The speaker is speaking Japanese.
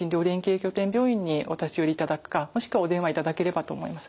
拠点病院にお立ち寄りいただくかもしくはお電話頂ければと思います。